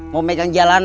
mau pegang terminal lagi